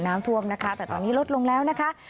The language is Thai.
น้ำท่วมนะคะแต่ตอนนี้ลดลงแล้วนะคะ